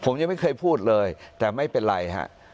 ผมยังไม่เคยพูดเลยแต่ไม่เป็นไรฮะ